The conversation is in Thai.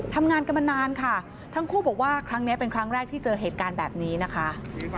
ทำงานกันมานานค่ะทั้งคู่บอกว่าครั้งนี้เป็นครั้งแรกที่เจอเหตุการณ์แบบนี้นะคะ